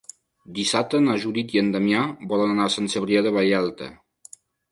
Dissabte na Judit i en Damià volen anar a Sant Cebrià de Vallalta.